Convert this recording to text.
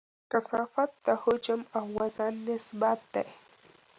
کثافت د حجم او وزن نسبت دی.